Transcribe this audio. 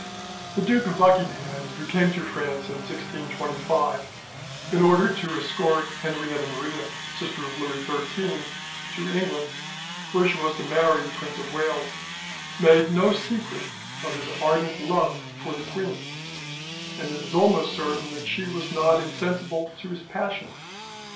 The Duke of Buckingham, who came to France in 1625, in order to escort Henrietta Maria, sister of Louis XIII, to England, where she was to marry the Prince of Wales, made no secret of his ardent love for the queen, and it is almost certain that she was not insensible to his passion.